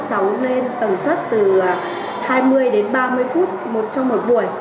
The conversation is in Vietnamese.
chúng tôi đã tăng cường thời lượng phát sóng lên tầm sát từ hai mươi đến ba mươi phút một trong một buổi